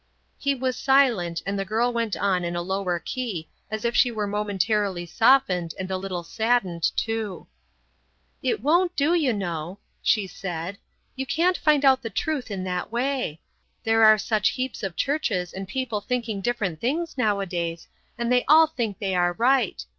He was silent, and the girl went on in a lower key as if she were momentarily softened and a little saddened also. "It won't do, you know," she said; "you can't find out the truth in that way. There are such heaps of churches and people thinking different things nowadays, and they all think they are right.